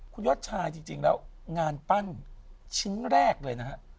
คุณยอดชายจริงแล้วงานปั้นชิ้นแรกเลยนะฮะ